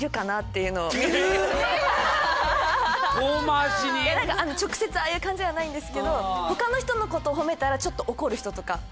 なんか直接ああいう感じではないんですけど他の人の事を褒めたらちょっと怒る人とか。